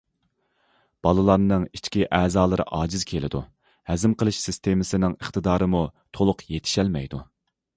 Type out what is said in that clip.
بالىلارنىڭ ئىچكى ئەزالىرى ئاجىز كېلىدۇ، ھەزىم قىلىش سىستېمىسىنىڭ ئىقتىدارىمۇ تولۇق يېتىشەلمەيدۇ.